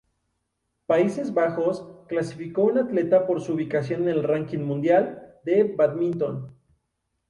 Países Bajos clasificó un atleta por su ubicación en el ranking mundial de bádminton.